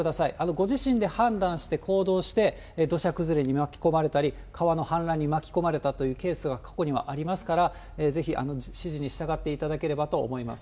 ご自身で判断して行動して、土砂崩れに巻き込まれたり、川の氾濫に巻き込まれたというケースが過去にもありますから、ぜひ指示に従っていただければと思います。